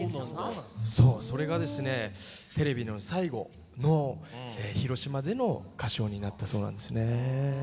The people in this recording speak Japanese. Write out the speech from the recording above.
それがですねテレビの最後の広島での歌唱になったそうなんですね。